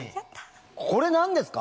これ何ですか？